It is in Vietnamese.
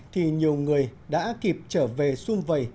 thì nhiều người đã kịp trở về xuân vầy